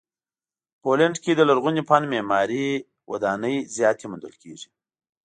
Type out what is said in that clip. پولنډ کې د لرغوني فن معماري ودانۍ زیاتې موندل کیږي.